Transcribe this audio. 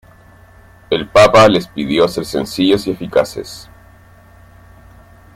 El papa les pidió ser sencillos y eficaces.